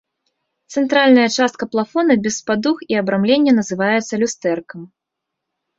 Цэнтральная частка плафона без падуг і абрамлення называецца люстэркам.